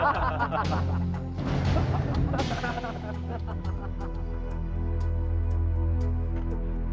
saya akan memberi jawaban kepada ketua indonesi yang benar